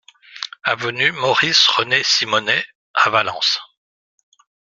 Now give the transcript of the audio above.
Avenue Maurice René Simonet à Valence